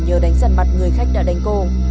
nhờ đánh giận mặt người khách đã đánh cô